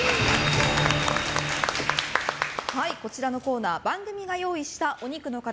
こちらのコーナーは番組が用意したお肉の塊